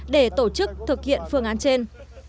để tổ chức thực hiện phương án trên